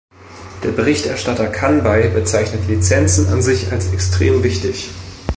Der Berichterstatter Khanbhai bezeichnet Lizenzen an sich als extrem wichtig.